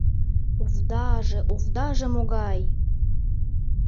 — Овдаже, овдаже могай!